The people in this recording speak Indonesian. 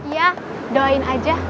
iya doain aja